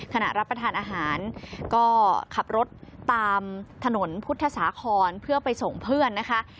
รับประทานอาหารก็ขับรถตามถนนพุทธสาครเพื่อไปส่งเพื่อนนะคะ